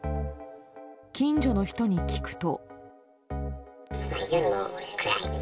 近所の人に聞くと。